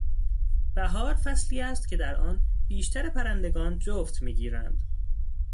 بهار فصلی است که در آن بیشتر پرندگان جفت میگیرند.